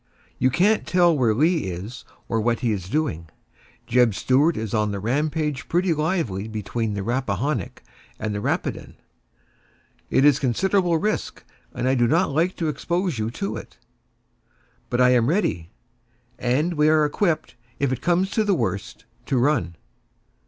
"You can't tell where Lee is, or what he is doing; Jeb Stuart is on the rampage pretty lively between the Rappahannock and the Rapidan. It is considerable risk, and I do not like to expose you to it." "But I am all ready; and we are equipped, if it comes to the worst, to run!"